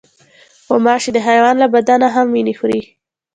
غوماشې د حیوان له بدن هم وینه خوري.